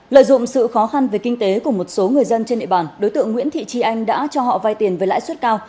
lợi dụng sự khó khăn về kinh tế của một số người dân trên địa bàn đối tượng nguyễn thị trì anh đã cho họ vay tiền với lãi suất cao